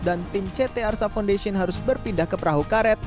dan tim ct arsa foundation harus berpindah ke perahu karet